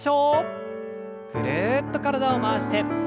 ぐるっと体を回して。